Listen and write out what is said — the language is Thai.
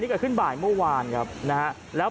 เฮ้ยเฮ้ยเฮ้ยเฮ้ยเฮ้ย